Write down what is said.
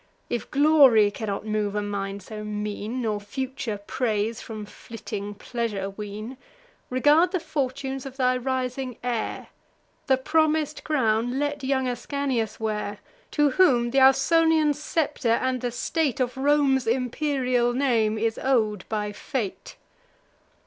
If glory cannot move a mind so mean, Nor future praise from flitting pleasure wean, Regard the fortunes of thy rising heir: The promis'd crown let young Ascanius wear, To whom th' Ausonian scepter, and the state Of Rome's imperial name is ow'd by fate."